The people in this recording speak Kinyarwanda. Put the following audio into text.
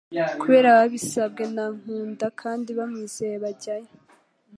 kubera babisabwe na Nkunda kandi bamwizeye bajyayo.